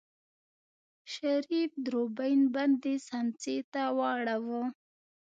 شريف دوربين بندې سمڅې ته واړوه.